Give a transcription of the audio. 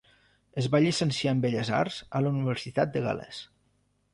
Es va llicenciar en belles arts a la Universitat de Gal·les.